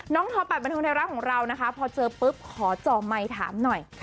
น้องทอปัชปันธุนไทยรักษณ์ของเราพอเจอปุ๊บขอจ่อไม้ถามหน่อย